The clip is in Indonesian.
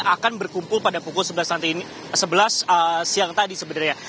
akan berkumpul pada pukul sebelas siang tadi sebenarnya